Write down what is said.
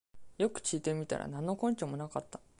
よく聞いてみたら何の根拠もなかった